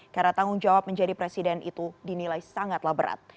karena tanggung jawab menjadi presiden itu dinilai sangatlah berat